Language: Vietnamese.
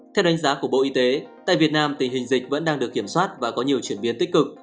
theo đánh giá của bộ y tế tại việt nam tình hình dịch vẫn đang được kiểm soát và có nhiều chuyển biến tích cực